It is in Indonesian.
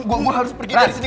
gue mau harus pergi dari sini